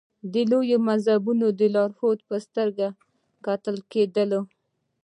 د لوی مذهبي لارښود په سترګه کتل کېدل.